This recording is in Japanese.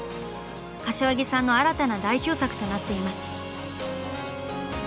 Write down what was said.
柏木さんの新たな代表作となっています。